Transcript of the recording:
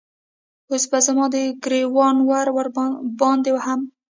اوس به زما د ګریوان وره باندې هم